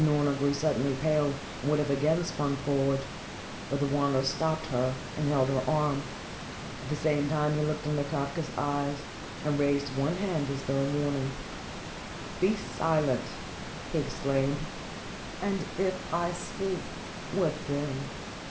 Unorna grew suddenly pale, and would have again sprung forward. But the Wanderer stopped her and held her arm. At the same time he looked into Kafka's eyes and raised one hand as though in warning. "Be silent!" he exclaimed. "And if I speak, what then?"